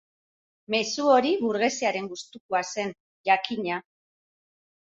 Mezu hori burgesiaren gustukoa zen, jakina.